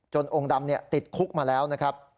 องค์ดำติดคุกมาแล้วนะครับ